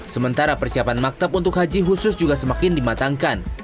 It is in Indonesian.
sementara persiapan maktab untuk haji khusus juga semakin dimatangkan